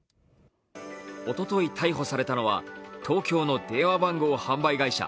おととい逮捕されたのは東京の電話番号販売会社